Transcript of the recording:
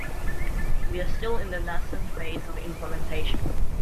We are still in the nascent phase of implementation.